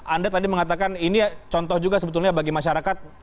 anda tadi mengatakan ini contoh juga sebetulnya bagi masyarakat